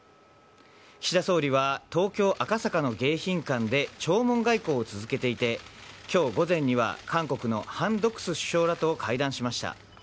岸田総理は東京・赤坂の迎賓館で弔問外交を続けていて今日午前には韓国のハン・ドクス首相らと会談しました。